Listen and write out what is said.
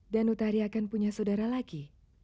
dan utari akan punya saudara lagi